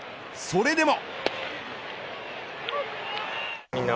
それでも。